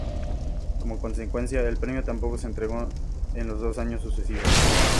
Como consecuencia, el premio tampoco se entregó en los dos años sucesivos.